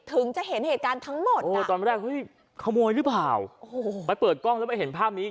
ถึงจะเห็นเหตุการณ์ทั้งหมดโอ้ตอนแรกเฮ้ยขโมยหรือเปล่าโอ้โหไปเปิดกล้องแล้วมาเห็นภาพนี้